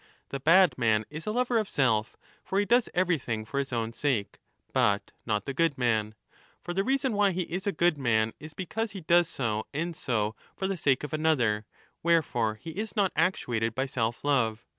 The bad man is a lover of self (for he does everything for his own sake), but not the good man. For the reason why he is a good man is because he does so and so for the sake of another ; wherefore he is not actuated by self love.